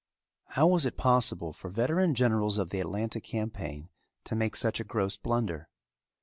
How was it possible for veteran generals of the Atlanta campaign to make such a gross blunder?